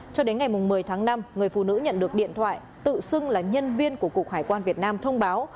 cho đến ngày một mươi tháng năm người phụ nữ nhận được điện thoại tự xưng là nhân viên của cục hải quan việt nam thông báo